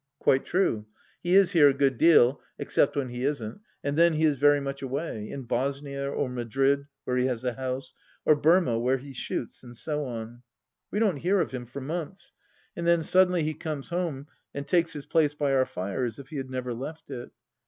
Quite true, he is here a good deal, except when he isn't, and then he is very much away — in Bosnia, or Madrid, where he has a house, or Burmah, where he shoots, and so on. We don't hear of him for months, and then suddenly he comes home and takes his place by our fire as if he had never left it.